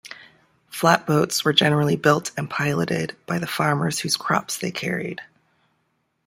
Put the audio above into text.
Flatboats were generally built and piloted by the farmers whose crops they carried.